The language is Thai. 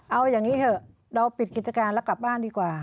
เอาอย่างนี้เถอะเราปิดกิจการแล้วกลับบ้านดีกว่า